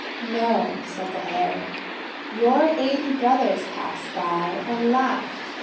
"No," said the Hare. :Your eighty brothers passed by, and laughed.